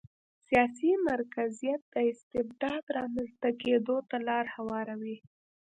سیاسي مرکزیت د استبداد رامنځته کېدو ته لار هواروي.